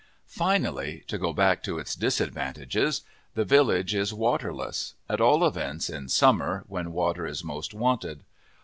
Finally, to go back to its disadvantages, the village is waterless; at all events in summer, when water is most wanted.